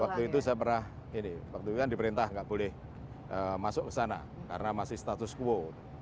waktu itu saya pernah ini waktu itu kan diperintah nggak boleh masuk ke sana karena masih status quo